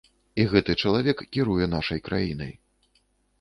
І гэты чалавек кіруе нашай краінай.